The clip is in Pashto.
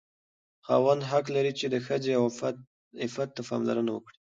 خاوند حق لري چې د ښځې عفت ته پاملرنه وکړي.